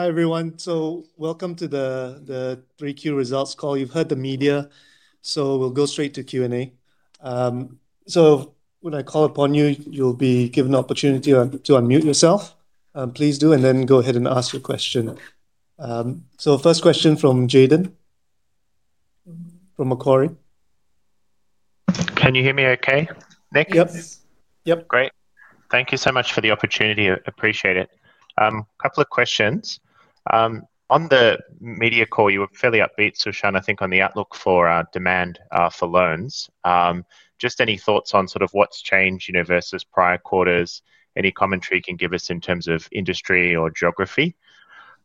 Hi, everyone. Welcome to the 3Q Results Call. You've heard the media, so we'll go straight to Q&A. When I call upon you, you'll be given the opportunity to unmute yourself. Please do, and then go ahead and ask your question. First question from Jayden from Macquarie. Can you hear me okay, Nick? Yep. Yep. Great. Thank you so much for the opportunity. Appreciate it. A couple of questions. On the media call, you were fairly upbeat, Su Shan, I think, on the outlook for demand for loans. Just any thoughts on sort of what's changed versus prior quarters? Any commentary you can give us in terms of industry or geography?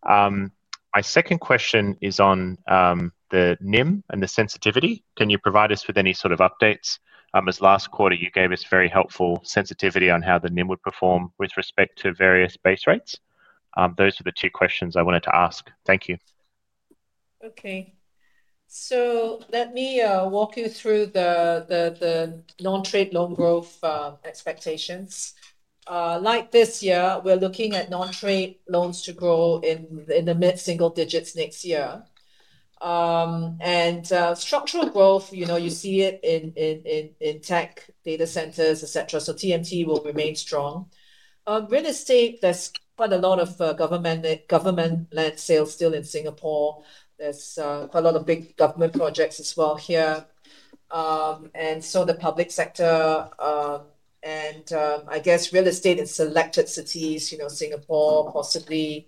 My second question is on the NIM and the sensitivity. Can you provide us with any sort of updates? As last quarter, you gave us very helpful sensitivity on how the NIM would perform with respect to various base rates. Those were the two questions I wanted to ask. Thank you. Okay. Let me walk you through the non-trade loan growth expectations. This year, we're looking at non-trade loans to grow in the mid-single digits next year. Structural growth, you see it in tech, data centers, etc. TMT will remain strong. Real estate, there's quite a lot of government land sales still in Singapore. There's quite a lot of big government projects as well here. The public sector, and I guess real estate in selected cities, Singapore, possibly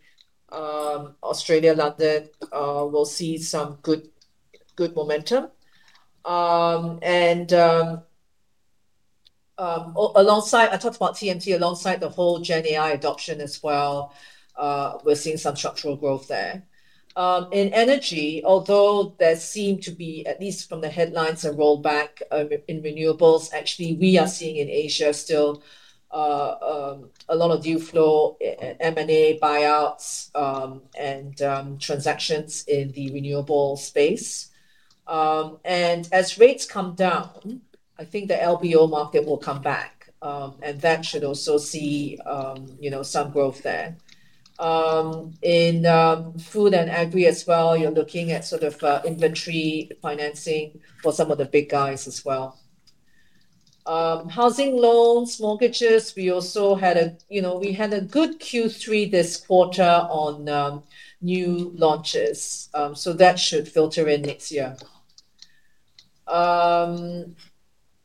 Australia, London, will see some good momentum. I talked about TMT alongside the whole Gen AI adoption as well. We're seeing some structural growth there. In energy, although there seem to be, at least from the headlines, a rollback in renewables, actually, we are seeing in Asia still a lot of new flow, M&A buyouts, and transactions in the renewable space. As rates come down, I think the LBO market will come back. That should also see some growth there. In food and agri as well, you are looking at sort of inventory financing for some of the big guys as well. Housing loans, mortgages, we also had a good Q3 this quarter on new launches. That should filter in next year.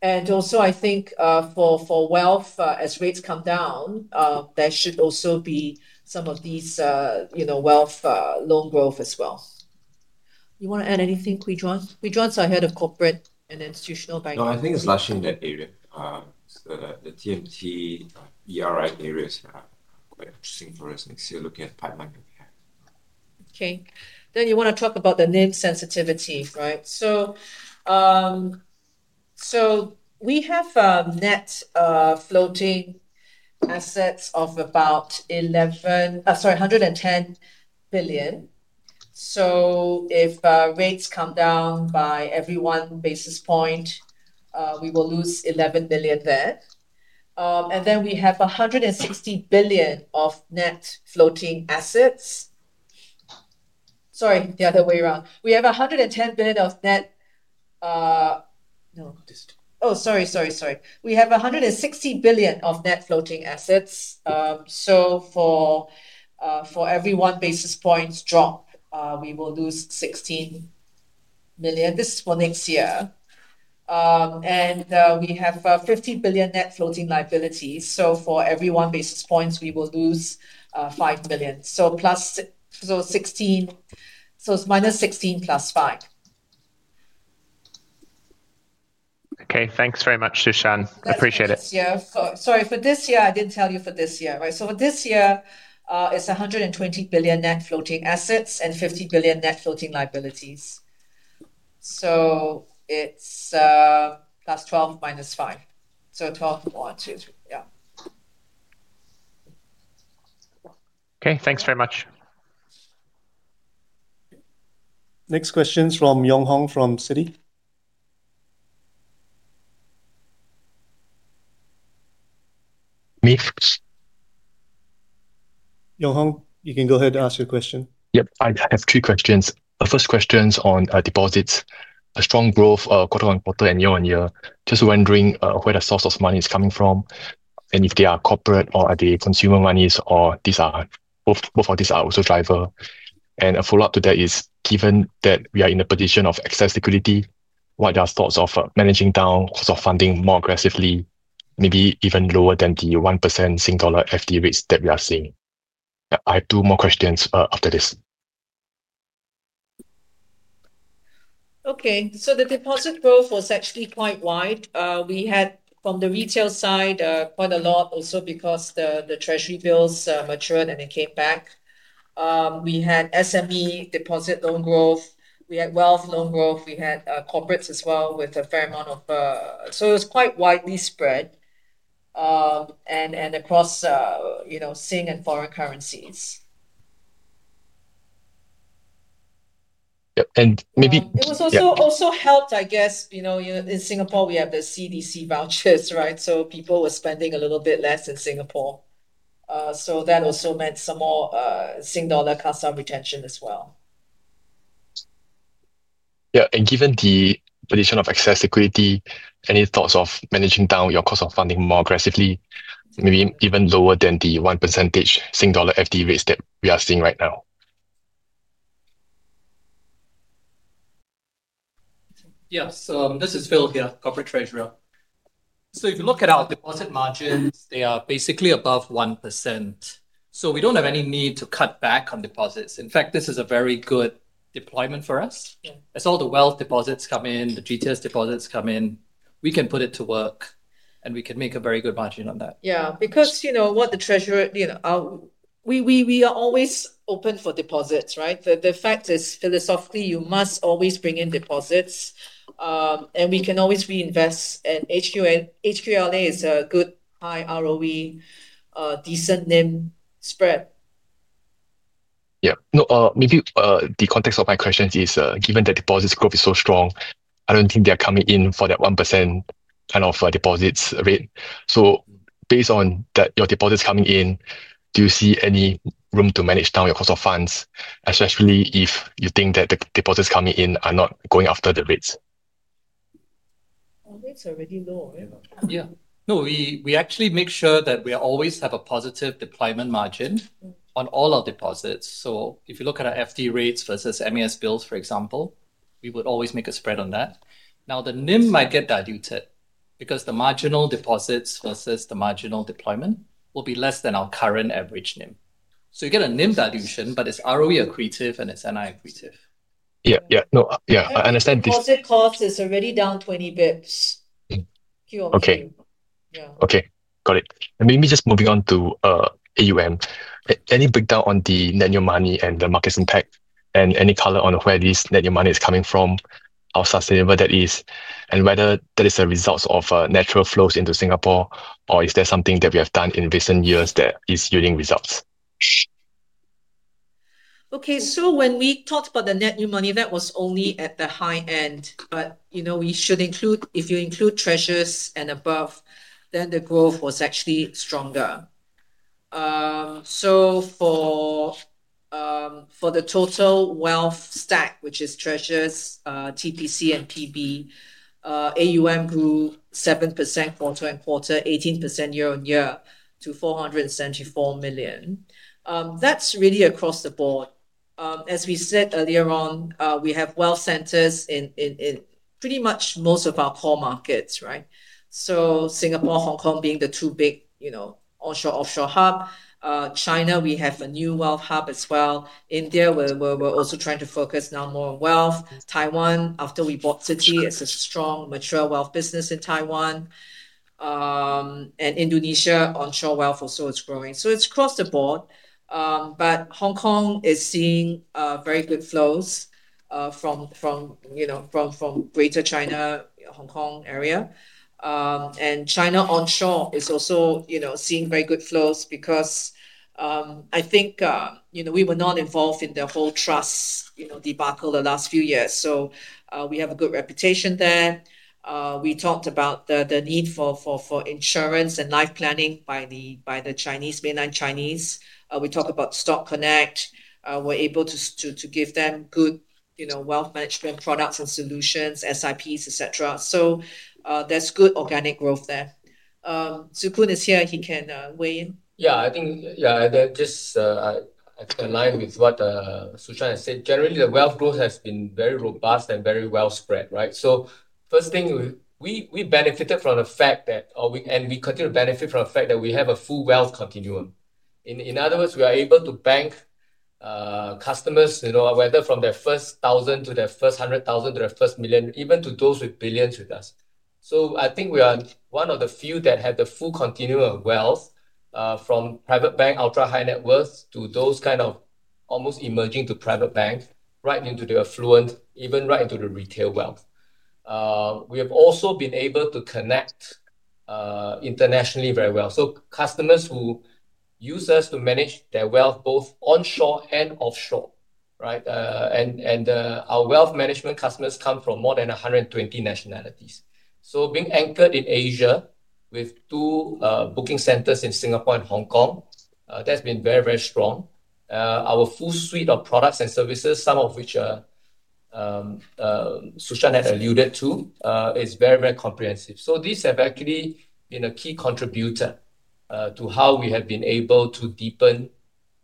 Also, I think for wealth, as rates come down, there should also be some of these wealth loan growth as well. You want to add anything, Kwee Juan? Kwee Juan is our Head of Corporate and Institutional Banking. No, I think it's largely in that area. The TMT, ERI areas are quite interesting for us next year. Looking at pipeline comparisons. Okay. Then you want to talk about the NIM sensitivity, right? We have net floating assets of about 110 billion. If rates come down by every one basis point, we will lose 11 million there. We have 160 billion of net floating assets. Sorry, the other way around. We have 110 billion of net—no, oh, sorry, sorry, sorry. We have 160 billion of net floating assets. For every one basis point drop, we will lose 16 million. This is for next year. We have 50 billion net floating liabilities. For every one basis point, we will lose 5 million. Minus 16 million plus 5 million. Okay. Thanks very much, Su Shan. Appreciate it. Yeah. Sorry, for this year, I didn't tell you for this year, right? For this year, it's 120 billion net floating assets and 50 billion net floating liabilities. It's plus 12 minus 5. So 12, 1, 2, 3, yeah. Okay. Thanks very much. Next question is from Yong Hong from Citi. Yong Hong, you can go ahead and ask your question. Yep. I have two questions. The first question is on deposits. A strong growth quarter-on-quarter and year-on-year. Just wondering where the source of money is coming from and if they are corporate or are they consumer monies or both of these are also drivers. A follow-up to that is, given that we are in a position of excess liquidity, what are your thoughts of managing down cost of funding more aggressively, maybe even lower than the 1% SGD FD rates that we are seeing? I have two more questions after this. Okay. The deposit growth was actually quite wide. We had, from the retail side, quite a lot also because the Treasury bills matured and it came back. We had SME deposit loan growth. We had wealth loan growth. We had corporates as well with a fair amount of—it was quite widely spread. And across. SGD and foreign currencies. Yep. Maybe. It was also helped, I guess. In Singapore, we have the CDC Vouchers, right? So people were spending a little bit less in Singapore. That also meant some more SGD customer retention as well. Yeah. Given the position of excess liquidity, any thoughts of managing down your cost of funding more aggressively, maybe even lower than the 1% SGD FD rates that we are seeing right now? Yeah. This is Phil here, Corporate Treasurer. If you look at our deposit margins, they are basically above 1%. We do not have any need to cut back on deposits. In fact, this is a very good deployment for us. As all the wealth deposits come in, the GTS deposits come in, we can put it to work, and we can make a very good margin on that. Yeah. Because what the treasurer— We are always open for deposits, right? The fact is, philosophically, you must always bring in deposits. We can always reinvest. HQLA is a good high ROE. Decent NIM spread. Yeah. Maybe the context of my question is, given that deposits growth is so strong, I do not think they are coming in for that 1% kind of deposits rate. Based on your deposits coming in, do you see any room to manage down your cost of funds, especially if you think that the deposits coming in are not going after the rates? Oh, rates are already low, right? Yeah. No, we actually make sure that we always have a positive deployment margin on all our deposits. So if you look at our FD rates versus MAS bills, for example, we would always make a spread on that. Now, the NIM might get diluted because the marginal deposits versus the marginal deployment will be less than our current average NIM. So you get a NIM dilution, but it's ROE-accretive and it's NI-accretive. Yeah. Yeah. No, yeah. I understand this. Deposit cost is already down 20 basis points. Okay. Got it. Maybe just moving on to AUM. Any breakdown on the net new money and the market's impact? Any color on where this net new money is coming from, how sustainable that is, and whether that is a result of natural flows into Singapore, or is there something that we have done in recent years that is yielding results? Okay. So when we talked about the net new money, that was only at the high end. If you include Treasures and above, then the growth was actually stronger. The total wealth stack, which is Treasures, TPC, and PB, AUM grew 7% quarter-on-quarter, 18% year-on-year, to 474 million. That is really across the board. As we said earlier on, we have wealth centers in pretty much most of our core markets, right? Singapore, Hong Kong being the two big onshore/offshore hub. China, we have a new wealth hub as well. India, we are also trying to focus now more on wealth. Taiwan, after we bought Citi, it is a strong, mature wealth business in Taiwan. Indonesia, onshore wealth also is growing. It is across the board. Hong Kong is seeing very good flows from Greater China, Hong Kong area. China onshore is also seeing very good flows because I think we were not involved in the whole trust debacle the last few years. We have a good reputation there. We talked about the need for insurance and life planning by the mainland Chinese. We talked about Stock Connect. We are able to give them good wealth management products and solutions, SIPs, etc. There is good organic growth there. Tse Koon is here. He can weigh in. Yeah. I think, yeah, just. Aligned with what Su Shan has said. Generally, the wealth growth has been very robust and very well spread, right? First thing, we benefited from the fact that—and we continue to benefit from the fact that we have a full wealth continuum. In other words, we are able to bank customers, whether from their first thousand to their first hundred thousand to their first million, even to those with billions with us. I think we are one of the few that have the full continuum of wealth from private bank, ultra-high net worth, to those kind of almost emerging to private bank, right into the affluent, even right into the retail wealth. We have also been able to connect internationally very well. Customers who use us to manage their wealth both onshore and offshore, right? Our wealth management customers come from more than 120 nationalities. Being anchored in Asia with two booking centers in Singapore and Hong Kong has been very, very strong. Our full suite of products and services, some of which Su Shan had alluded to, is very, very comprehensive. These have actually been a key contributor to how we have been able to deepen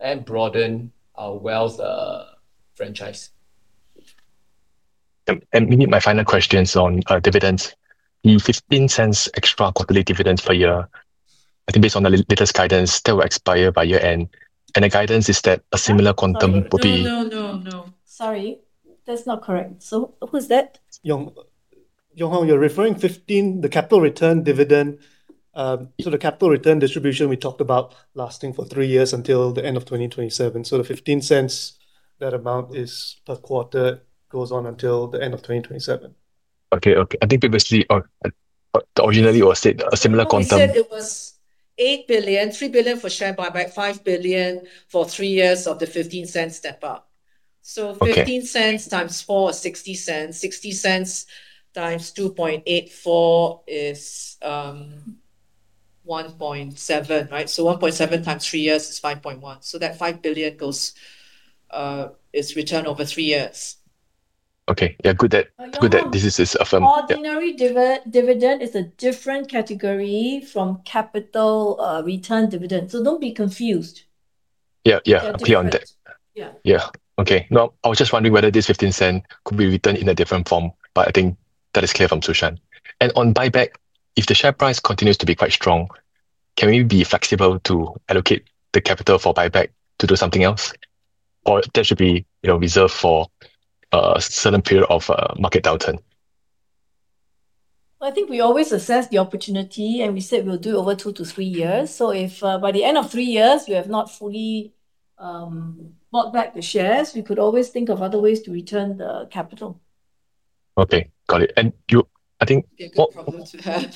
and broaden our wealth franchise. Maybe my final question is on dividends. The 0.15 extra quarterly dividends per year, I think based on the latest guidance, they will expire by year-end. The guidance is that a similar quantum will be. No, no, no. Sorry. That's not correct. So who's that? Yong Hong, you're referring to the capital return dividend. The capital return distribution we talked about lasting for three years until the end of 2027. The 0.15, that amount is per quarter, goes on until the end of 2027. Okay. Okay. I think previously. Originally it was said a similar quantum. He said it was 8 billion, 3 billion for share buyback, 5 billion for 3 years of the 0.15 step-up. 0.15 times 4 is 0.60. 0.60 times 2.84 is 1.7, right? 1.7 times 3 years is 5.1. That 5 billion is return over 3 years. Okay. Yeah. Good that this is a firm. Ordinary dividend is a different category from capital return dividend. So do not be confused. Yeah. Yeah. I'm clear on that. Yeah. Okay. Now, I was just wondering whether this 0.15 could be returned in a different form. I think that is clear from Su Shan. On buyback, if the share price continues to be quite strong, can we be flexible to allocate the capital for buyback to do something else? Or should that be reserved for a certain period of market downturn? I think we always assess the opportunity, and we said we'll do it over two to three years. If by the end of three years, we have not fully bought back the shares, we could always think of other ways to return the capital. Okay. Got it. I think. Yeah. Good problem to have.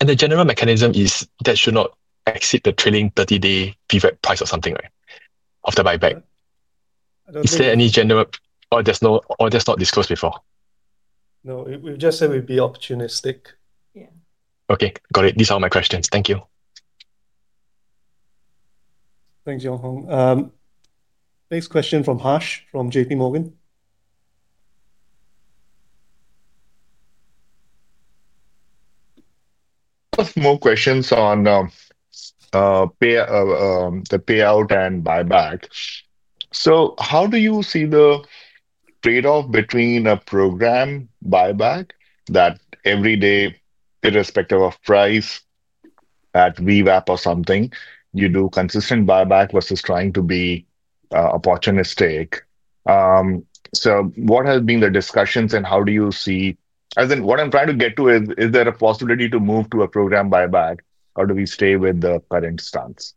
The general mechanism is that should not exceed the trailing 30-day preferred price or something, right? After buyback. Is there any general, or that is not disclosed before? No. We just said we'd be opportunistic. Yeah. Okay. Got it. These are all my questions. Thank you. Thanks, Yong Hong. Next question from Hash from JP Morgan. More questions on the payout and buyback. How do you see the trade-off between a program buyback that is every day, irrespective of price, at VWAP or something, you do consistent buyback versus trying to be opportunistic? What have been the discussions and how do you see, as in, what I am trying to get to is, is there a possibility to move to a program buyback, or do we stay with the current stance?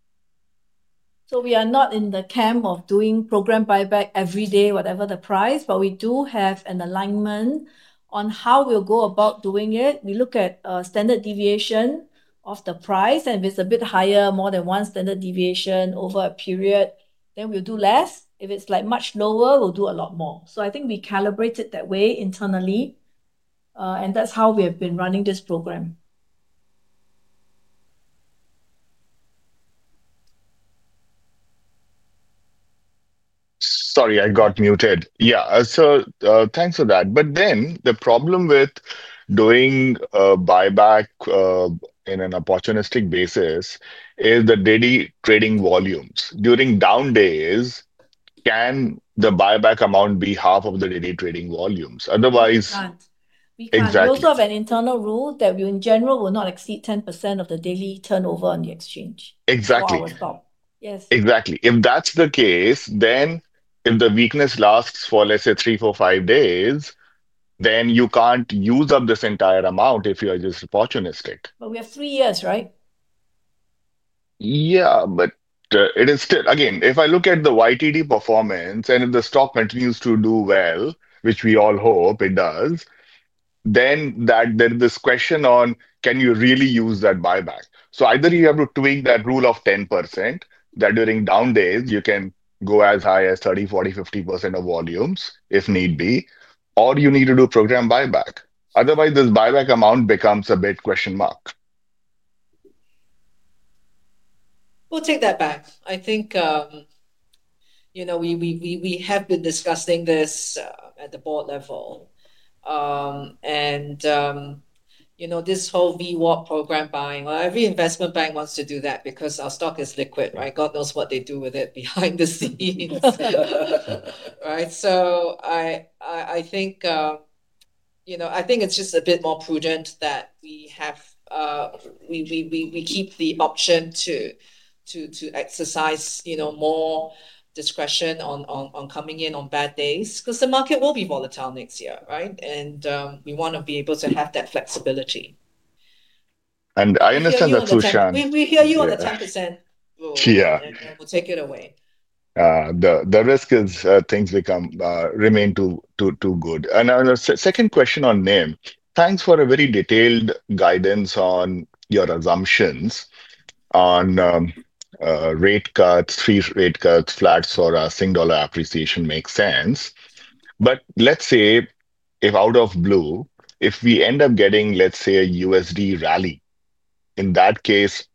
We are not in the camp of doing program buyback every day, whatever the price, but we do have an alignment on how we will go about doing it. We look at standard deviation of the price, and if it is a bit higher, more than one standard deviation over a period, then we will do less. If it is much lower, we will do a lot more. I think we calibrate it that way internally. That is how we have been running this program. Sorry, I got muted. Yeah. Thanks for that. The problem with doing buyback in an opportunistic basis is the daily trading volumes. During down days, can the buyback amount be half of the daily trading volumes? Otherwise. We can't because of an internal rule that we, in general, will not exceed 10% of the daily turnover on the exchange. Exactly. Or stock. Yes. Exactly. If that's the case, then if the weakness lasts for, let's say, 3, 4, 5 days, then you can't use up this entire amount if you're just opportunistic. We have 3 years, right? Yeah. It is still again, if I look at the YTD performance, and if the stock continues to do well, which we all hope it does, then there is this question on, can you really use that buyback? Either you have to tweak that rule of 10%, that during down days, you can go as high as 30%, 40%, 50% of volumes if need be, or you need to do program buyback. Otherwise, this buyback amount becomes a bit question mark. We'll take that back. I think we have been discussing this at the board level. This whole VWAP program buying, well, every investment bank wants to do that because our stock is liquid, right? God knows what they do with it behind the scenes, right? I think it's just a bit more prudent that we keep the option to exercise more discretion on coming in on bad days because the market will be volatile next year, right? We want to be able to have that flexibility. I understand that, Su Shan. We hear you on the 10% rule. Yeah. We'll take it away. The risk is things remain too good. Second question on NIM. Thanks for a very detailed guidance on your assumptions. On rate cuts, three rate cuts, flat SORA, SGD appreciation makes sense. If out of the blue, if we end up getting, let's say, a USD rally, in that case,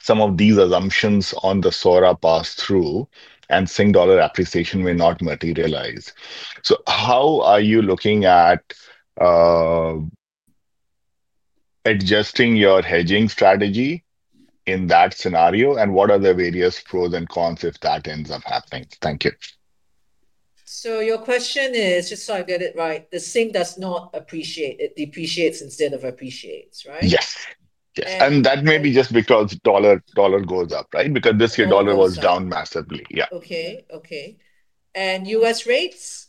some of these assumptions on the SORA pass through and SGD appreciation may not materialize. How are you looking at adjusting your hedging strategy in that scenario? What are the various pros and cons if that ends up happening? Thank you. So your question is, just so I get it right, the SGD does not appreciate. It depreciates instead of appreciates, right? Yes. Yes. That may be just because dollar goes up, right? Because this year, dollar was down massively. Yeah. Okay. Okay. U.S. rates?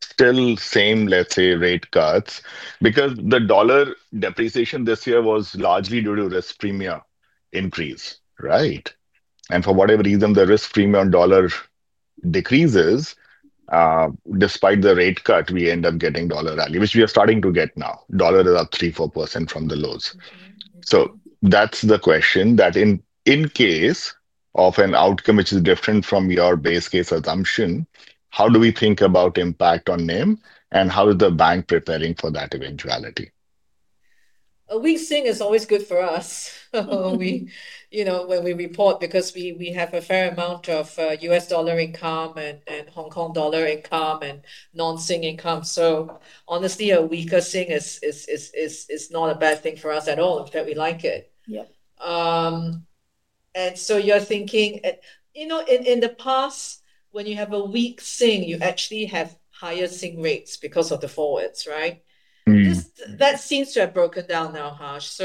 Still same, let's say, rate cuts. Because the dollar depreciation this year was largely due to risk premium increase, right? And for whatever reason, the risk premium on dollar decreases. Despite the rate cut, we end up getting dollar rally, which we are starting to get now. Dollar is up 3-4% from the lows. So that's the question that in case of an outcome which is different from your base case assumption, how do we think about impact on NIM? And how is the bank preparing for that eventuality? A weak SGD is always good for us. When we report, because we have a fair amount of USD income and HKD income and non-SGD income. Honestly, a weaker SGD is not a bad thing for us at all, in fact, we like it. You are thinking, in the past, when you have a weak SGD, you actually have higher SGD rates because of the forwards, right? That seems to have broken down now, Hash.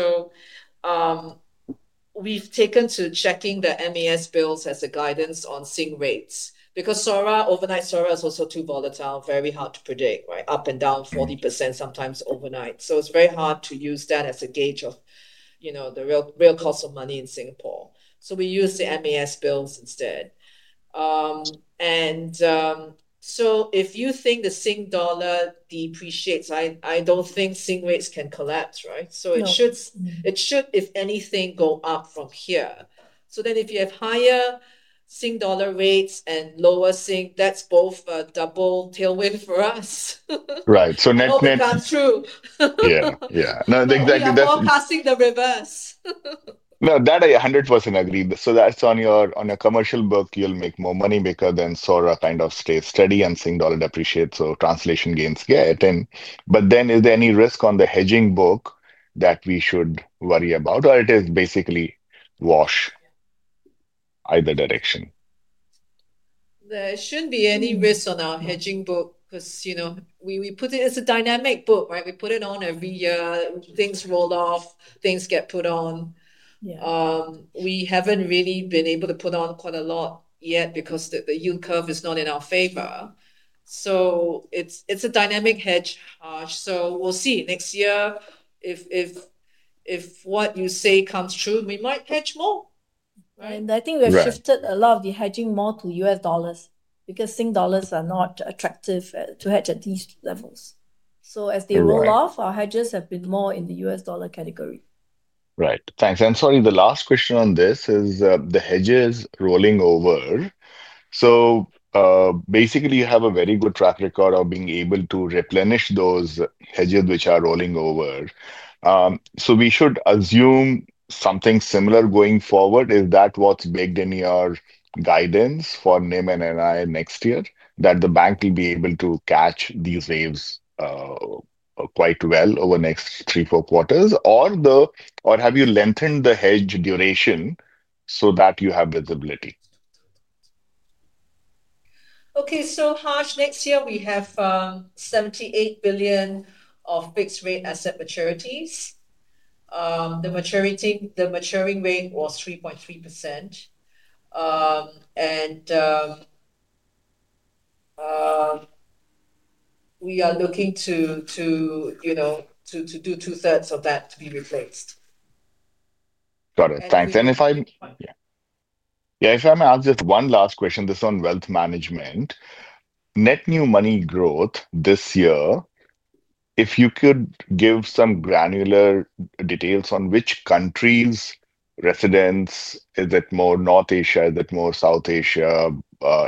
We have taken to checking the MAS bills as a guidance on SGD rates because SORA, overnight SORA is also too volatile, very hard to predict, right? Up and down 40% sometimes overnight. It is very hard to use that as a gauge of the real cost of money in Singapore. We use the MAS bills instead. If you think the SGD depreciates, I do not think SGD rates can collapse, right? It should, if anything, go up from here. If you have higher SGD dollar rates and lower SGD, that is both a double tailwind for us. Right. So next. Both are true. Yeah. Yeah. No, exactly. We're all passing the reverse. No, that I 100% agree. So that's on your commercial book, you'll make more money because then SORA kind of stays steady and SGD depreciates, so translation gains get. Is there any risk on the hedging book that we should worry about, or it is basically wash. Either direction? There should not be any risk on our hedging book because we put it as a dynamic book, right? We put it on every year. Things roll off. Things get put on. We have not really been able to put on quite a lot yet because the yield curve is not in our favor. It is a dynamic hedge, Hash. We will see next year. If what you say comes true, we might hedge more, right? I think we have shifted a lot of the hedging more to USD because SGD are not attractive to hedge at these levels. As they roll off, our hedges have been more in the USD category. Right. Thanks. Sorry, the last question on this is the hedges rolling over. Basically, you have a very good track record of being able to replenish those hedges which are rolling over. We should assume something similar going forward. Is that what is baked in your guidance for NIM and NII next year, that the bank will be able to catch these waves quite well over the next three-four quarters? Or have you lengthened the hedge duration so that you have visibility? Okay. Hash, next year, we have 78 billion of fixed-rate asset maturities. The maturing rate was 3.3%. We are looking to do 2/3 of that to be replaced. Got it. Thanks. If I may ask just one last question, this is on wealth management. Net new money growth this year, if you could give some granular details on which countries, residents, is it more North Asia? Is it more South Asia?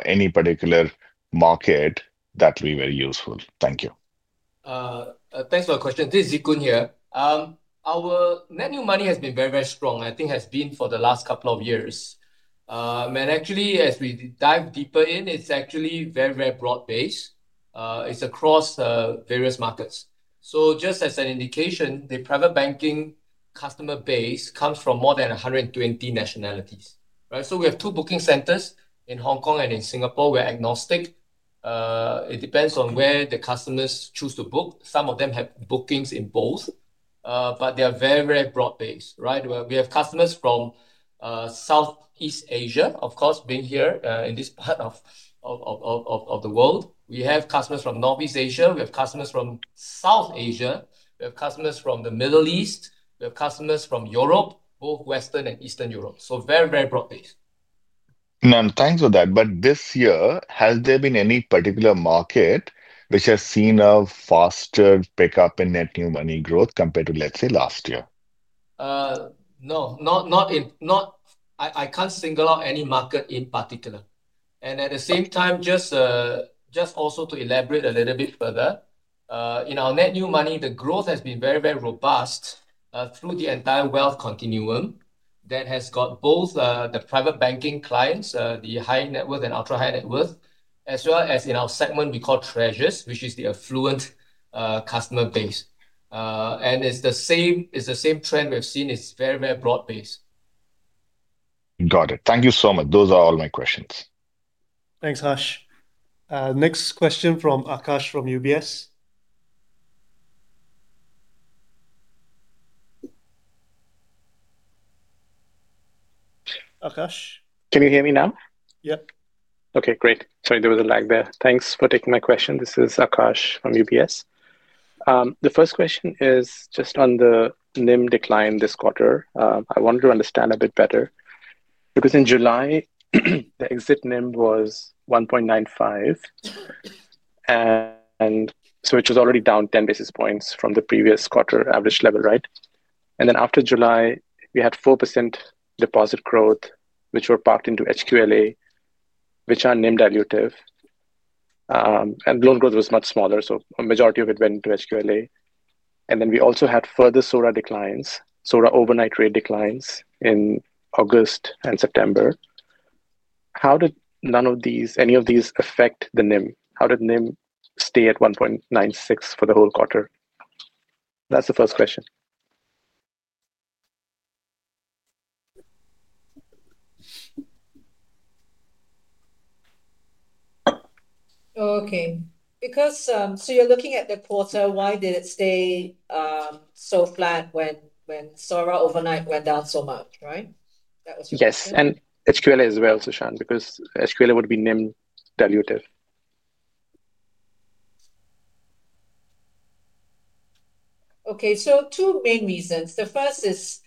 Any particular market, that will be very useful. Thank you. Thanks for the question. This is Tse Koon here. Our net new money has been very, very strong, I think has been for the last couple of years. Actually, as we dive deeper in, it's actually very, very broad-based. It's across various markets. Just as an indication, the private banking customer base comes from more than 120 nationalities, right? We have two booking centers in Hong Kong and in Singapore. We're agnostic. It depends on where the customers choose to book. Some of them have bookings in both. They are very, very broad-based, right? We have customers from Southeast Asia, of course, being here in this part of the world. We have customers from Northeast Asia. We have customers from South Asia. We have customers from the Middle East. We have customers from Europe, both Western and Eastern Europe. Very, very broad-based. Thank you for that. This year, has there been any particular market which has seen a faster pickup in net new money growth compared to, let's say, last year? No. I can't single out any market in particular. Also, to elaborate a little bit further, in our net new money, the growth has been very, very robust through the entire wealth continuum that has got both the private banking clients, the high net worth and ultra high net worth, as well as in our segment we call Treasures, which is the affluent customer base. It is the same trend we have seen. It is very, very broad-based. Got it. Thank you so much. Those are all my questions. Thanks, Hash. Next question from Aakash from UBS. Aakash? Can you hear me now? Yeah. Okay. Great. Sorry, there was a lag there. Thanks for taking my question. This is Aakash from UBS. The first question is just on the NIM decline this quarter. I wanted to understand a bit better because in July, the exit NIM was 1.95. And so it was already down 10 basis points from the previous quarter average level, right? After July, we had 4% deposit growth, which were parked into HQLA, which are NIM-dilutive. Loan growth was much smaller, so a majority of it went into HQLA. We also had further SORA declines, SORA overnight rate declines in August and September. How did any of these affect the NIM? How did NIM stay at 1.96 for the whole quarter? That's the first question. Okay. So you're looking at the quarter. Why did it stay so flat when SORA overnight went down so much, right? That was your question. Yes. HQLA as well, Su Shan, because HQLA would be NIM-dilutive. Okay. Two main reasons. The first is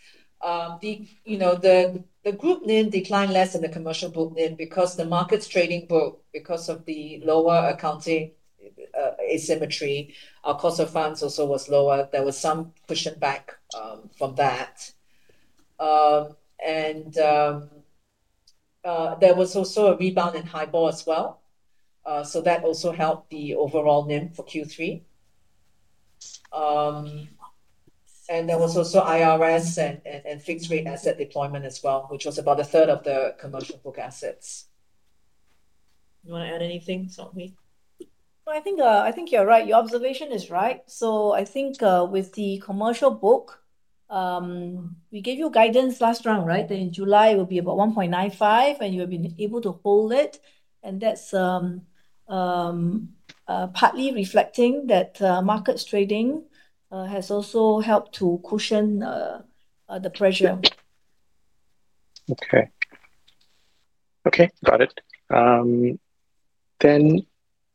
the group NIM declined less than the commercial book NIM because the markets trading broke because of the lower accounting asymmetry. Our cost of funds also was lower. There was some pushing back from that. There was also a rebound in HIBOR as well. That also helped the overall NIM for Q3. There was also IRS and fixed-rate asset deployment as well, which was about a third of the commercial book assets. You want to add anything, Sok Hui? I think you're right. Your observation is right. I think with the commercial book, we gave you guidance last round, right? That in July, it will be about 1.95, and you will be able to hold it. That is partly reflecting that markets trading has also helped to cushion the pressure. Okay. Okay. Got it.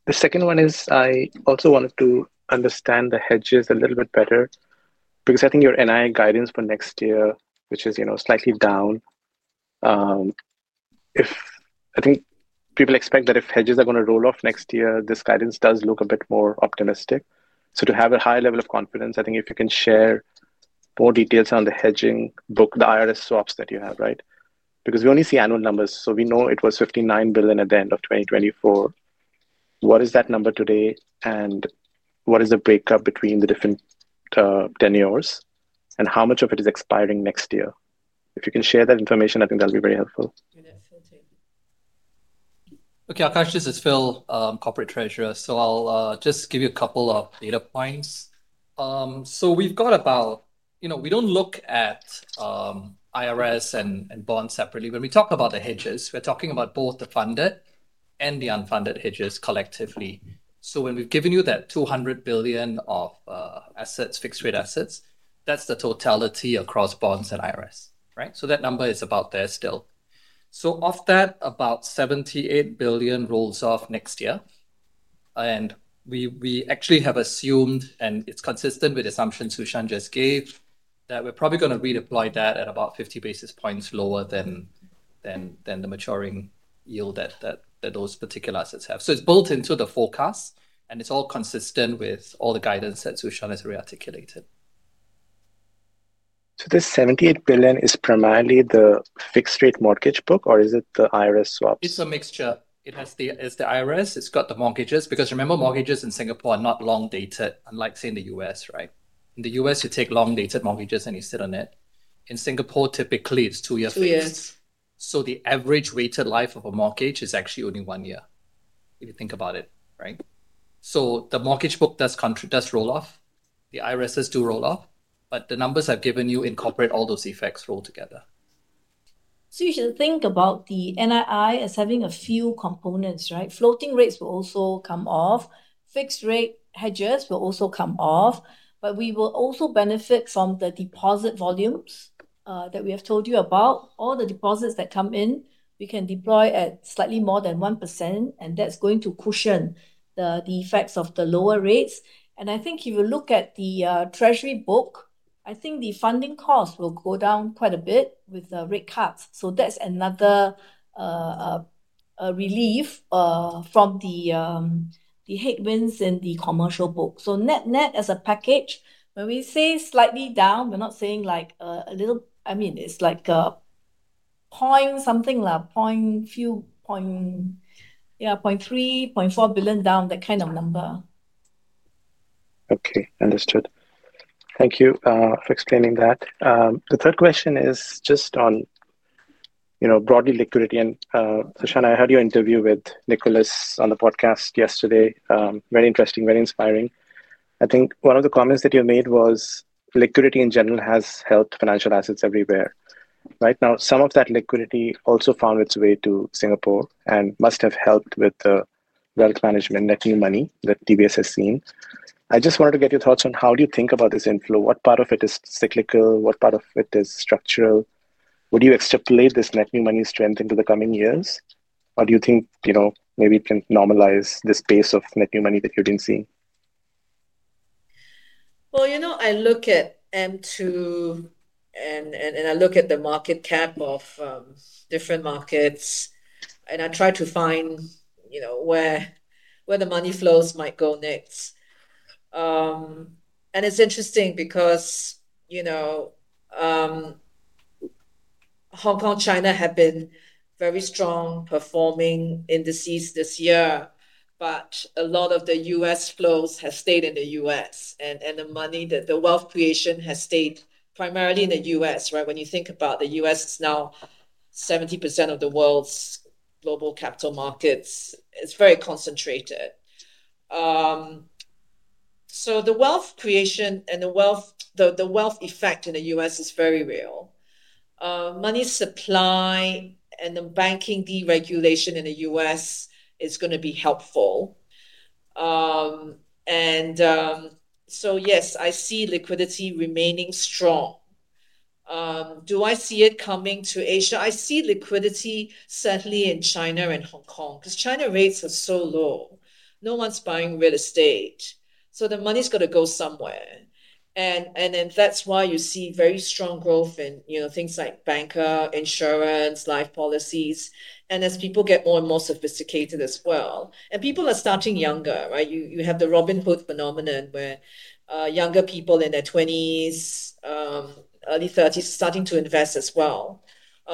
The second one is I also wanted to understand the hedges a little bit better because I think your NII guidance for next year, which is slightly down. I think people expect that if hedges are going to roll off next year, this guidance does look a bit more optimistic. To have a higher level of confidence, I think if you can share more details on the hedging book, the IRS swaps that you have, right? Because we only see annual numbers. We know it was 59 billion at the end of 2024. What is that number today? What is the breakup between the different tenures? How much of it is expiring next year? If you can share that information, I think that will be very helpful. Okay. Aakash, this is Phil, Corporate Treasurer. I'll just give you a couple of data points. We've got about—we don't look at IRS and bonds separately. When we talk about the hedges, we're talking about both the funded and the unfunded hedges collectively. When we've given you that 200 billion of assets, fixed-rate assets, that's the totality across bonds and IRS, right? That number is about there still. Of that, about 78 billion rolls off next year. We actually have assumed, and it's consistent with the assumptions Su Shan just gave, that we're probably going to redeploy that at about 50 basis points lower than the maturing yield that those particular assets have. It's built into the forecast, and it's all consistent with all the guidance that Su Shan has re-articulated. This 78 billion is primarily the fixed-rate mortgage book, or is it the IRS swaps? It's a mixture. It's the IRS. It's got the mortgages because remember, mortgages in Singapore are not long-dated, unlike, say, in the U.S., right? In the U.S., you take long-dated mortgages and you sit on it. In Singapore, typically, it's 2 years later. So the average weighted life of a mortgage is actually only one year if you think about it, right? So the mortgage book does roll off. The IRS does roll off. But the numbers I've given you incorporate all those effects rolled together. You should think about the NII as having a few components, right? Floating rates will also come off. Fixed-rate hedges will also come off. We will also benefit from the deposit volumes that we have told you about. All the deposits that come in, we can deploy at slightly more than 1%, and that is going to cushion the effects of the lower rates. I think if you look at the treasury book, I think the funding costs will go down quite a bit with the rate cuts. That is another relief from the hedge wins in the commercial book. Net net as a package, when we say slightly down, we are not saying like a little—I mean, it is like a point something, a few point. Yeah, 0.3 billion, 0.4 billion down, that kind of number. Okay. Understood. Thank you for explaining that. The third question is just on, broadly, liquidity. And Su Shan, I heard your interview with Nicholas on the podcast yesterday. Very interesting, very inspiring. I think one of the comments that you made was liquidity in general has helped financial assets everywhere, right? Now, some of that liquidity also found its way to Singapore and must have helped with the wealth management net new money that DBS has seen. I just wanted to get your thoughts on how do you think about this inflow? What part of it is cyclical? What part of it is structural? Would you extrapolate this net new money strength into the coming years, or do you think maybe it can normalize this pace of net new money that you have been seeing? I look at M2. I look at the market cap of different markets, and I try to find where the money flows might go next. It is interesting because Hong Kong, China have been very strong performing indices this year, but a lot of the U.S. flows have stayed in the U.S., and the money, the wealth creation has stayed primarily in the U.S., right? When you think about the U.S., it is now 70% of the world's global capital markets. It is very concentrated. The wealth creation and the wealth effect in the U.S. is very real. Money supply and the banking deregulation in the U.S. is going to be helpful. Yes, I see liquidity remaining strong. Do I see it coming to Asia? I see liquidity, certainly in China and Hong Kong, because China rates are so low. No one's buying real estate. The money's got to go somewhere. That is why you see very strong growth in things like bancassurance, insurance, life policies, and as people get more and more sophisticated as well. People are starting younger, right? You have the Robin Hood phenomenon where younger people in their twenties, early thirties, starting to invest as well,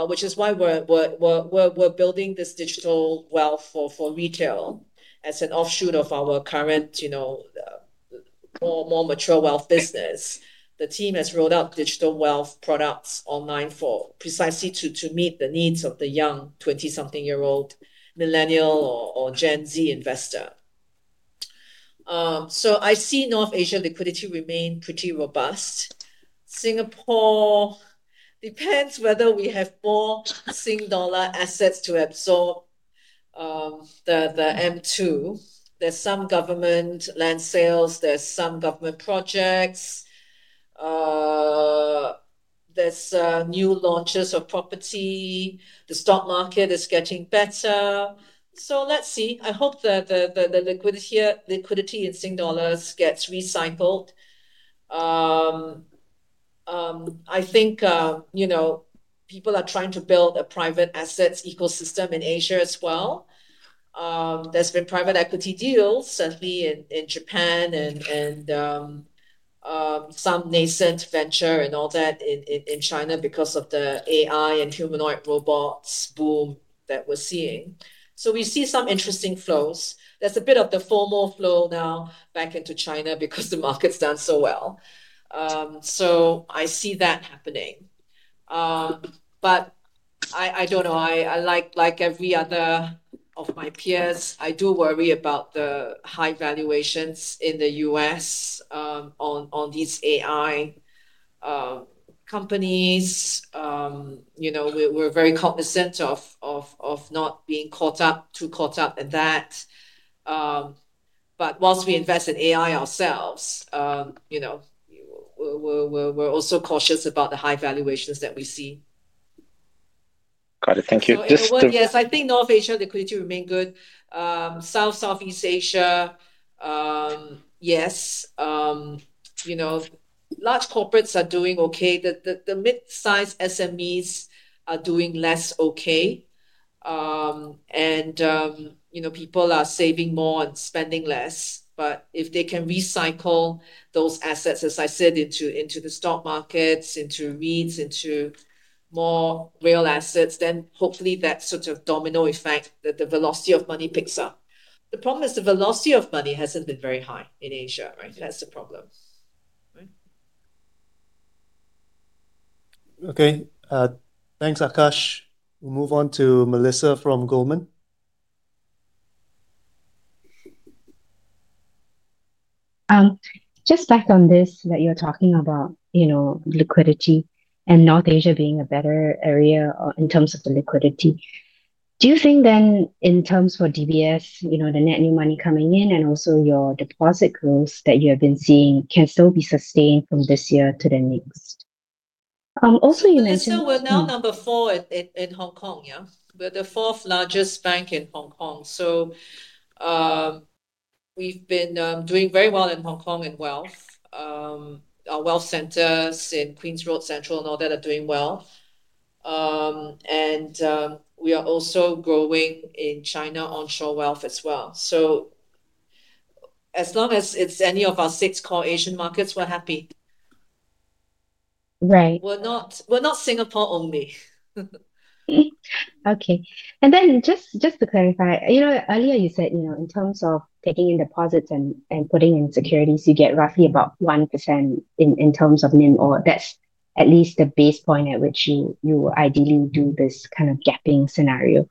which is why we are building this digital wealth for retail as an offshoot of our current, more mature wealth business. The team has rolled out digital wealth products online precisely to meet the needs of the young twenty-something-year-old millennial or Gen Z investor. I see North Asia liquidity remain pretty robust. Singapore depends whether we have more SGD assets to absorb the M2. There are some government land sales, there are some government projects, there are new launches of property, the stock market is getting better. Let's see. I hope that the liquidity in Singapore dollars gets recycled. I think people are trying to build a private assets ecosystem in Asia as well. There have been private equity deals, certainly in Japan, and some nascent venture and all that in China because of the AI and humanoid robots boom that we are seeing. We see some interesting flows. There is a bit of the formal flow now back into China because the market has done so well. I see that happening. I do not know. Like every other of my peers, I do worry about the high valuations in the U.S. on these AI companies. We are very cognizant of not being caught up, too caught up in that. Whilst we invest in AI ourselves, we are also cautious about the high valuations that we see. Got it. Thank you. Just to. Yes. I think North Asia liquidity remains good. South, Southeast Asia. Yes. Large corporates are doing okay. The mid-size SMEs are doing less okay. People are saving more and spending less. If they can recycle those assets, as I said, into the stock markets, into REITs, into more real assets, then hopefully that sort of domino effect, the velocity of money picks up. The problem is the velocity of money hasn't been very high in Asia, right? That's the problem. Okay. Thanks, Aakash. We'll move on to Melissa from Goldman. Just back on this that you're talking about. Liquidity and North Asia being a better area in terms of the liquidity. Do you think then in terms for DBS, the net new money coming in and also your deposit growth that you have been seeing can still be sustained from this year to the next? Also, you mentioned. We're now number four in Hong Kong, yeah? We're the fourth largest bank in Hong Kong. We've been doing very well in Hong Kong and wealth. Our wealth centers in Queen's Road Central and all that are doing well. We are also growing in China onshore wealth as well. As long as it's any of our six core Asian markets, we're happy. Right. We're not Singapore-only. Okay. Just to clarify, earlier you said in terms of taking in deposits and putting in securities, you get roughly about 1% in terms of NIM, or that's at least the base point at which you ideally do this kind of gapping scenario.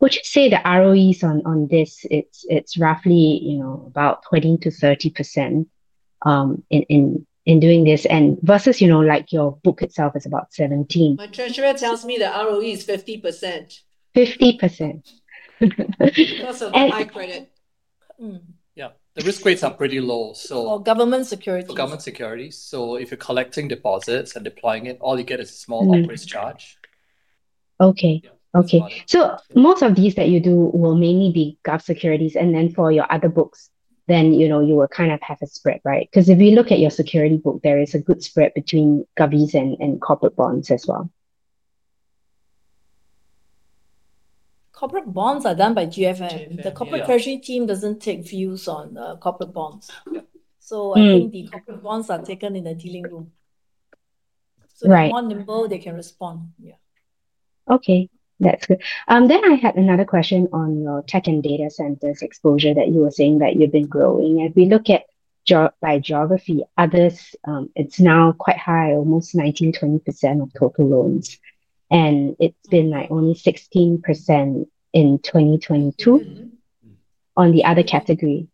Would you say the ROEs on this, it's roughly about 20-30%. In doing this versus your book itself is about 17%? My treasurer tells me the ROE is 50%. Fifty percent. Because of the high credit. Yeah. The risk rates are pretty low, so. For government securities. For government securities. If you're collecting deposits and deploying it, all you get is a small interest charge. Okay. Okay. Most of these that you do will mainly be gov securities. For your other books, you will kind of have a spread, right? If you look at your security book, there is a good spread between gov and corporate bonds as well. Corporate bonds are done by GFM. The corporate treasury team does not take views on corporate bonds. I think the corporate bonds are taken in the dealing room. The more nimble they can respond, yeah. Okay. That's good. I had another question on your tech and data centers exposure that you were saying that you've been growing. If we look at, by geography, others, it's now quite high, almost 19%-20% of total loans. It was only 16% in 2022. On the other category?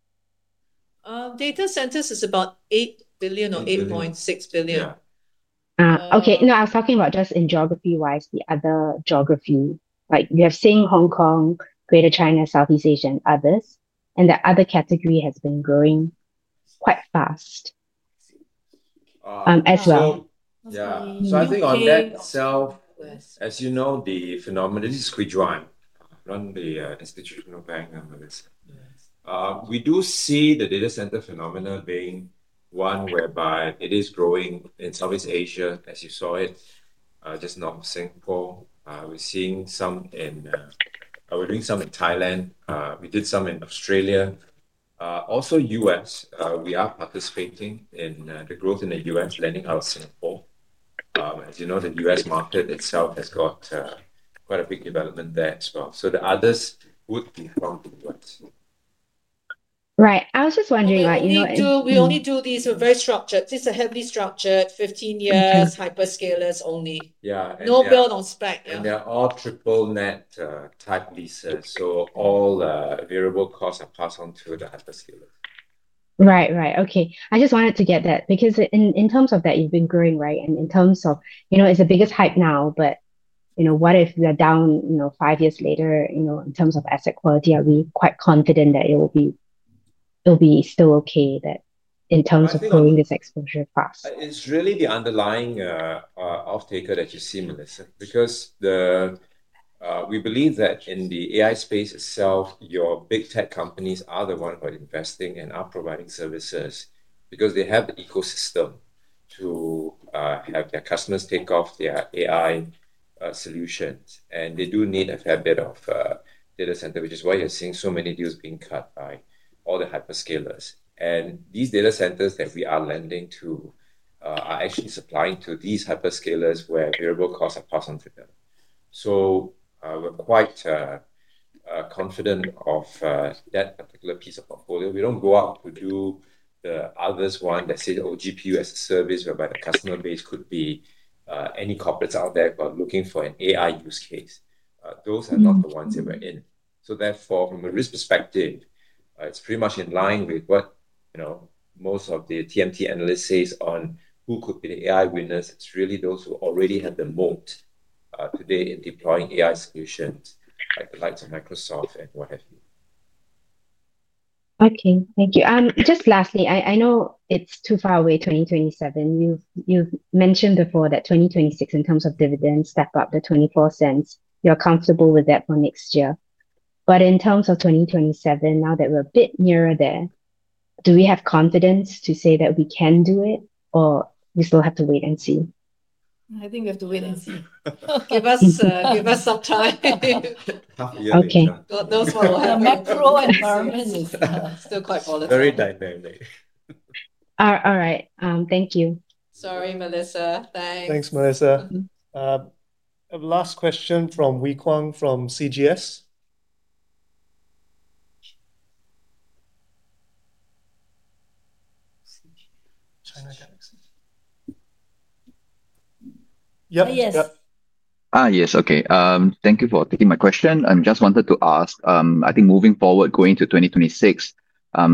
Data centers is about 8 billion or 8.6 billion. Okay. No, I was talking about just in geography-wise, the other geography. We are seeing Hong Kong, Greater China, Southeast Asia, and others. The other category has been growing quite fast as well. I think on that itself, as you know, the phenomenon, this is Kwee Juan on the institutional bank. We do see the data center phenomenon being one whereby it is growing in Southeast Asia, as you saw it, just not Singapore. We are seeing some in, we are doing some in Thailand. We did some in Australia. Also, US, we are participating in the growth in the U.S., lending out Singapore. As you know, the U.S. market itself has got quite a big development there as well. The others would be from the U.S.. Right. I was just wondering about. We only do these very structured. This is a heavily structured 15-year hyperscalers-only. No build on SPAC, yeah? They're all triple net-type leases. All variable costs are passed on to the hyperscalers. Right, right. Okay. I just wanted to get that because in terms of that, you've been growing, right? In terms of it's the biggest hype now, what if we are down five years later in terms of asset quality? Are we quite confident that it will be still okay in terms of growing this exposure fast? It's really the underlying off-taker that you see, Melissa, because we believe that in the AI space itself, your big tech companies are the ones who are investing and are providing services because they have the ecosystem to have their customers take off their AI solutions. They do need a fair bit of data center, which is why you're seeing so many deals being cut by all the hyperscalers. These data centers that we are lending to are actually supplying to these hyperscalers where variable costs are passed on to them. We are quite confident of that particular piece of portfolio. We do not go out to do the others, the one that says, "Oh, GPU as a service," whereby the customer base could be any corporates out there who are looking for an AI use case. Those are not the ones that we are in. Therefore, from a risk perspective, it's pretty much in line with what most of the TMT analysts say on who could be the AI winners. It's really those who already have the moat today in deploying AI solutions like the likes of Microsoft and what have you. Okay. Thank you. Just lastly, I know it's too far away, 2027. You've mentioned before that 2026, in terms of dividends, step up the 0.24. You're comfortable with that for next year. In terms of 2027, now that we're a bit nearer there, do we have confidence to say that we can do it, or we still have to wait and see? I think we have to wait and see. Give us some time. Yeah. Okay. Those will happen. The macro environment is still quite volatile. Very dynamic. All right. Thank you. Sorry, Melissa. Thanks. Thanks, Melissa. Last question from Wee Kuang from CGS. Yep. Yes. Yes. Okay. Thank you for taking my question. I just wanted to ask, I think moving forward, going to 2026.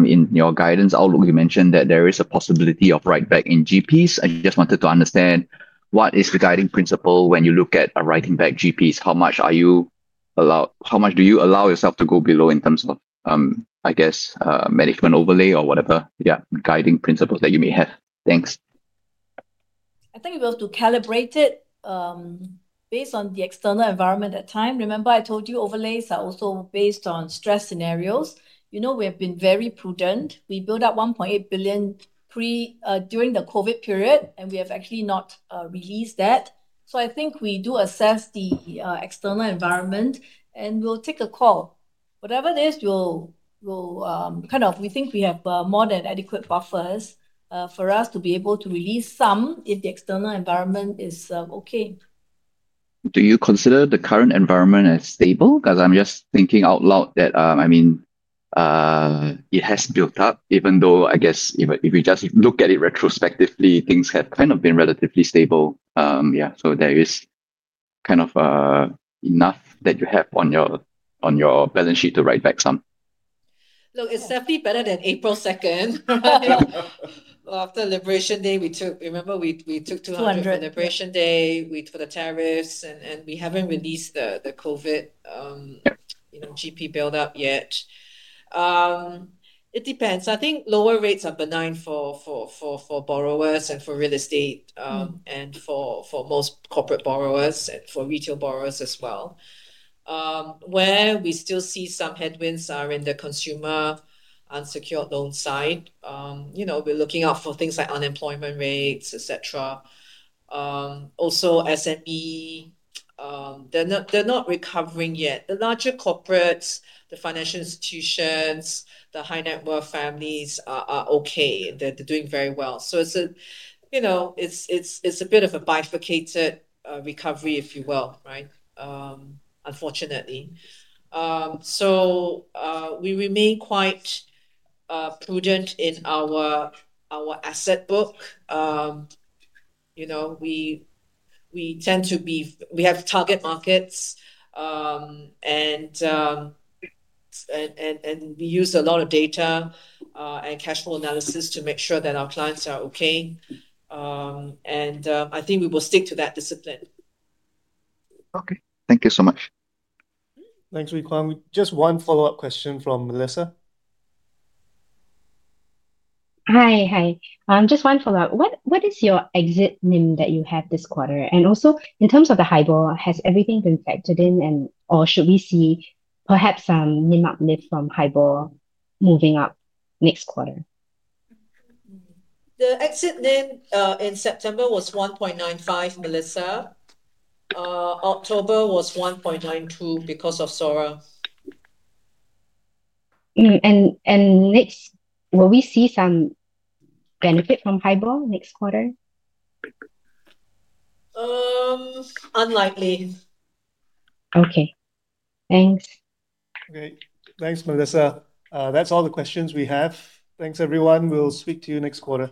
In your guidance outlook, you mentioned that there is a possibility of write-back in GPs. I just wanted to understand what is the guiding principle when you look at writing back GPs? How much are you allowed? How much do you allow yourself to go below in terms of, I guess, management overlay or whatever? Yeah, guiding principles that you may have. Thanks. I think we'll have to calibrate it. Based on the external environment at the time. Remember, I told you overlays are also based on stress scenarios. We have been very prudent. We built up 1.8 billion during the COVID period, and we have actually not released that. I think we do assess the external environment, and we'll take a call. Whatever it is, we think we have more than adequate buffers for us to be able to release some if the external environment is okay. Do you consider the current environment as stable? Because I'm just thinking out loud that, I mean, it has built up, even though, I guess, if you just look at it retrospectively, things have kind of been relatively stable. Yeah. There is kind of enough that you have on your balance sheet to write back some. Look, it's definitely better than April 2nd. After Liberation Day, we took, remember, we took 200 for Liberation Day, we took the tariffs, and we haven't released the COVID GP buildup yet. It depends. I think lower rates are benign for borrowers and for real estate and for most corporate borrowers and for retail borrowers as well. Where we still see some headwinds are in the consumer unsecured loan side. We're looking out for things like unemployment rates, etc. Also, SME. They're not recovering yet. The larger corporates, the financial institutions, the high net worth families are okay. They're doing very well. It's a bit of a bifurcated recovery, if you will, right? Unfortunately. We remain quite prudent in our asset book. We tend to be, we have target markets. We use a lot of data. Cash flow analysis to make sure that our clients are okay. I think we will stick to that discipline. Okay. Thank you so much. Thanks, Wee Kuang. Just one follow-up question from Melissa. Hi, hi. Just one follow-up. What is your exit NIM that you have this quarter? Also, in terms of the HIBOR, has everything been factored in, and or should we see perhaps some NIM uplift from HIBOR moving up next quarter? The exit NIM in September was 1.95, Melissa. October was 1.92 because of SORA. Will we see some benefit from HIBOR next quarter? Unlikely. Okay. Thanks. Okay. Thanks, Melissa. That's all the questions we have. Thanks, everyone. We'll speak to you next quarter.